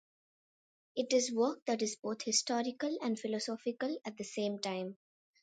It is work that is both historical and philosophical at the same time.